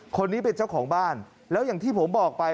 คนนี้เป็นเจ้าของบ้านแล้วอย่างที่ผมบอกไป